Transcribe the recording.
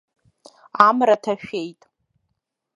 Амра ҭашәеит.